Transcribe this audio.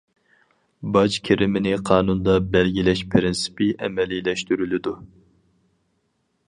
باج كىرىمىنى قانۇندا بەلگىلەش پىرىنسىپى ئەمەلىيلەشتۈرۈلىدۇ.